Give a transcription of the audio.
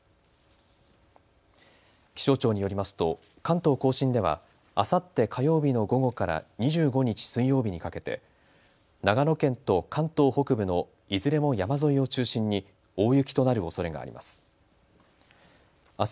気象庁によりますと関東甲信ではあさって火曜日の午後から２５日水曜日にかけて長野県と関東北部のいずれも山沿いを中心に大雪となるおそれがあります。